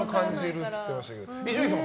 伊集院さん